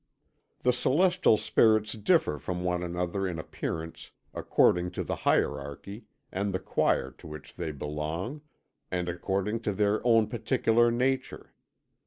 The celestial spirits differ from one another in appearance according to the hierarchy and the choir to which they belong, and according to their own particular nature.